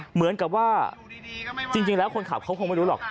เหมือนกับว่าจริงแล้วคนขับเขาคงไม่รู้หรอก